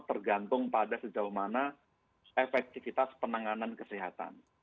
tergantung pada sejauh mana efektivitas penanganan kesehatan